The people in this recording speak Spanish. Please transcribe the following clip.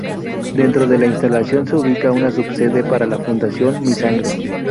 Dentro de la instalación se ubica una sub-sede para la Fundación Mi Sangre.